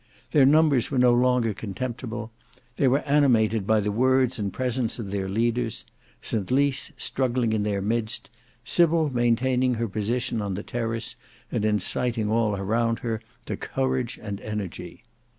Their numbers were no longer contemptible; they were animated by the words and presence of their leaders: St Lys struggling in their midst; Sybil maintaining her position on the terrace, and inciting all around her to courage and energy.